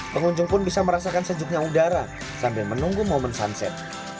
pengunjung pun bisa merasakan sejuknya udara sambil menunggu momen sunset